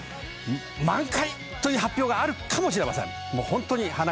満開という発表があるかもしれません。